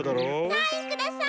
サインください！